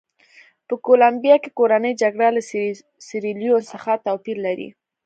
په کولمبیا کې کورنۍ جګړه له سیریلیون څخه توپیر لري.